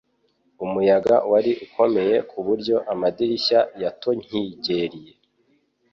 Umuyaga wari ukomeye kuburyo amadirishya yatonkigeriye.